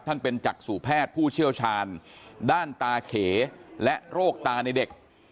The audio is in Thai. ท่านเป็นจักษุแพทย์ผู้เชี่ยวชาญด้านตาเขและโรคตาในเด็ก